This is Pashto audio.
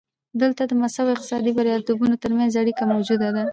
دلته د مذهب او اقتصادي بریالیتوبونو ترمنځ اړیکه موجوده ده.